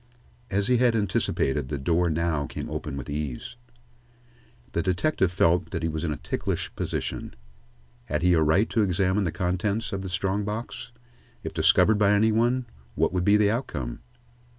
As he had anticipated, the door now came open with ease. The detective felt that he was in a ticklish position. Had he a right to examine the contents of this strong box? If discovered by any one, what would be the outcome?